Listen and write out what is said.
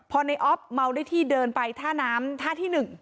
พอในออฟเมาได้ที่เดินไปท่าน้ำท่าที่๑